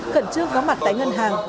cẩn trương có mặt tại ngân hàng